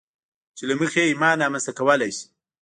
چې له مخې يې ايمان رامنځته کولای شئ.